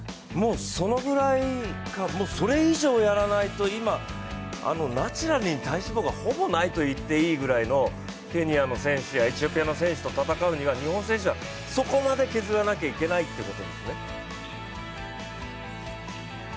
そのぐらいかそれ以上やらないと今、ナチュラルに体脂肪がほぼないといっていいぐらいのケニアの選手や、エチオピアの選手と戦うにはそこまで削らないといけないってことですね？